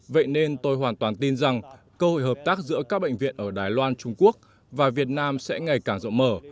vậy nên tôi hoàn toàn tin rằng cơ hội hợp tác giữa các bệnh viện ở đài loan trung quốc và việt nam sẽ ngày càng rộng mở